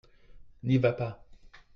N'y vas pas !